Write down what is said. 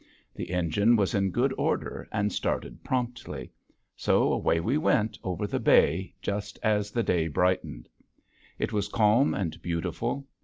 The engine was in good order and started promptly. So away we went out over the bay just as the day brightened. It was calm and beautiful.